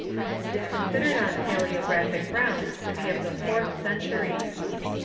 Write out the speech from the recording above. It is considered on paleographic grounds to be of the fourth century.